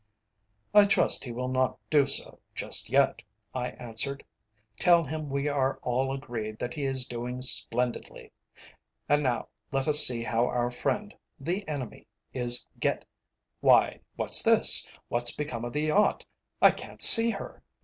"I trust he will not do so just yet," I answered. "Tell him we are all agreed that he is doing splendidly. And now let us see how our friend, the enemy, is get Why, what's this? what's become of the yacht? I can't see her!"